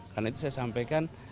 karena itu saya sampaikan